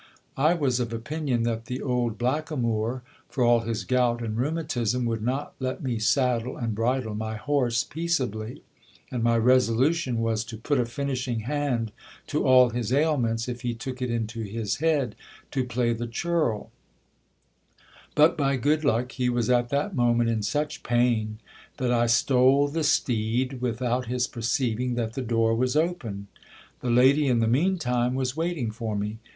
I was of opinion that the old blackamoor, for all his gout and rheumatism, would not let me saddle and bri dle my horse peaceably, and my resolution was to put a finishing hand to all his ailments if he took it into his head to play the churl : but, by good luck, he was at that moment in such pain that I stole the steed without his perceiving that the door was open. The lady in the mean time was waiting for me.